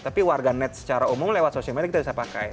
tapi warga net secara umum lewat sosial media kita bisa pakai